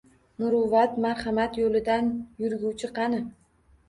Muruvvat, marhamat yo'lidan yurguvchi qani?